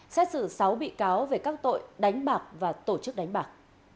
xét xử sáu bị cáo về các tội đánh bạc và tổ chức đánh bạc